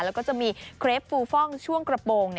แล้วก็จะมีเครปฟูฟ่องช่วงกระโปรง